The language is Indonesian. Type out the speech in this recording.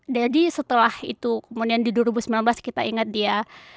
jadi setelah itu kemudian di dua ribu sembilan belas kita ingat dia